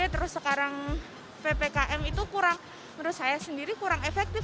terus sekarang ppkm itu kurang menurut saya sendiri kurang efektif